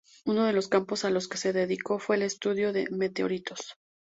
Uno de los campos a los que se dedicó fue al estudio de meteoritos.